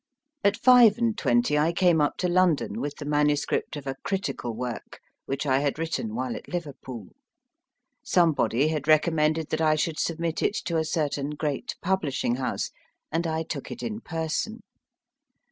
At five and twenty I came up to London with the manuscript ot a critical work, which I had written while at Liverpool. Somebody had recommended that I should submit it to a certain great publishing house, and I took it in person.